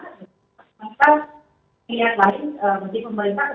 berarti pemerintah kecuali menyatukan